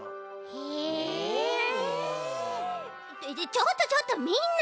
ちょっとちょっとみんな！